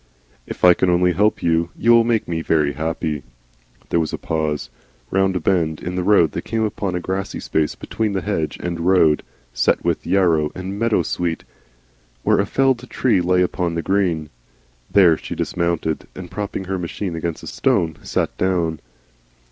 "If I can only help you you will make me very happy " There was a pause. Round a bend in the road they came upon a grassy space between hedge and road, set with yarrow and meadowsweet, where a felled tree lay among the green. There she dismounted, and propping her machine against a stone, sat down.